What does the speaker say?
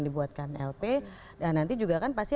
dibuatkan lp dan nanti juga kan pasti